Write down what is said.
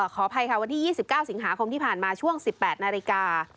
ขออภัยค่ะวันที่๒๙สิงหาคมที่ผ่านมาช่วง๑๘นาฬิกา